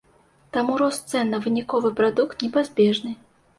Таму рост цэн на выніковы прадукт непазбежны.